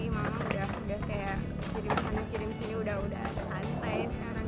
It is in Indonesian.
mama udah kayak jadi makanan kirim sini udah udah santai sekarang